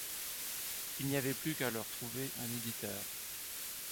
Il n’y avait plus qu’à leur trouver un éditeur.